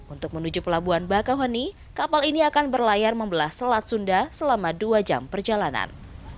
untuk menuju pelabuhan bakahoni kapal ini akan berlayar membelah selat sunda selama dua jam perjalanan